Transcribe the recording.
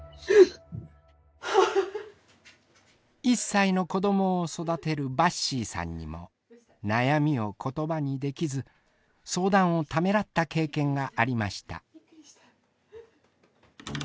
１歳の子どもを育てるばっしーさんにも悩みを言葉にできず相談をためらった経験がありました。